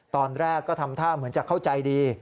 ตอนแรกก็ทำท่าเหมือนจะเข้าใจดี